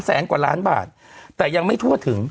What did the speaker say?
แสนกว่าล้านบาทแต่ยังไม่ทั่วถึง